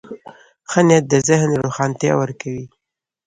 ښه نیت د ذهن روښانتیا ورکوي.